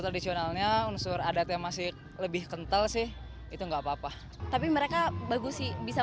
tradisionalnya unsur adatnya masih lebih kental sih itu enggak apa apa tapi mereka bagus sih bisa